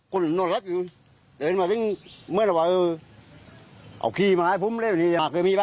ผมไหนแมนทำแรกผมคุ้กอยู่เขามาเดี๋ยวอะ